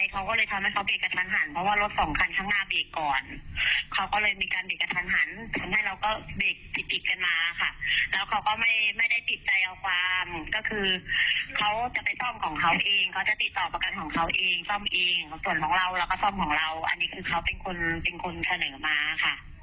ก็คือเขาจะไปซ่อมของเขาเองเขาจะติดต่อประกันของเขาเองซ่อมเองส่วนของเราแล้วก็ซ่อมของเราอันนี้คือเขาเป็นคนเป็นคนเสนอมาค่ะ